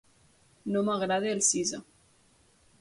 No m'agrada el Sisa.